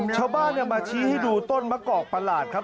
ชาวบ้านมาชี้ให้ดูต้นมะกอกประหลาดครับ